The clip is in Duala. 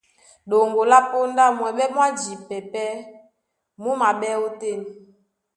Ɗoŋgo lá póndá, mwɛɓɛ́ mwá jipɛ pɛ́ mú maɓɛ́ ótên.